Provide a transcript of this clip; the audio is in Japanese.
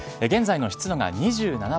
現在の湿度が２７％